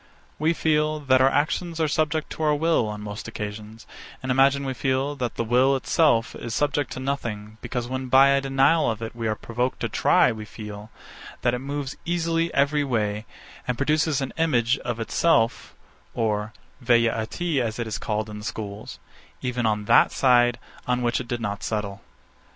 We feel, that our actions are subject to our will, on most occasions; and imagine we feel, that the will itself is subject to nothing, because, when by a denial of it we are provoked to try, we feel, that it moves easily every way, and produces an image of itself (or a Velleïty, as it is called in the schools) even on that side, on which it did not settle.